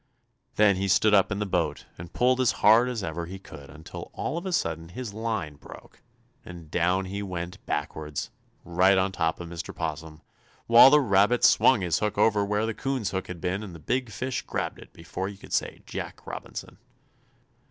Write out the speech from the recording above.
Then he stood up in the boat and pulled as hard as ever he could till all of a sudden his line broke, and down he went backwards, right on top of Mr. 'Possum, while the Rabbit swung his hook over where the 'Coon's hook had been and the big fish grabbed it before you could say Jack Robinson.